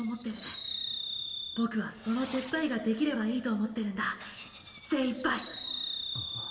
ボクはその手伝いができればいいと思ってるんだ精一杯。